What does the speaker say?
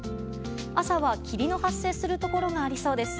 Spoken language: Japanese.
朝は霧の発生するところがありそうです。